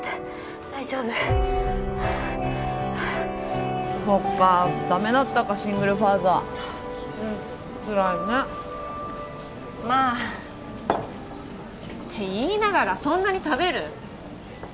大丈夫ハアハアそっかダメだったかシングルファザーうんつらいねまあって言いながらそんなに食べる？